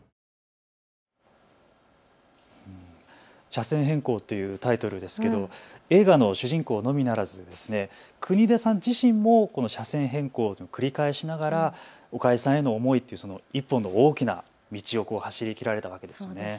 車線変更というタイトルですけど映画の主人公のみならず国枝さん自身も車線変更を繰り返しながら岡江さんへの思いと１本の大きな道を走り開いたわけですね。